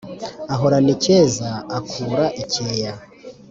Ahorana icyeza akura i Cyeya